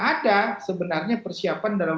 ada sebenarnya persiapan dalam